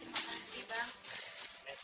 terima kasih bang